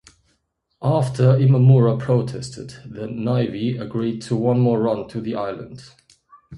After Imamura protested, the navy agreed to one more run to the island.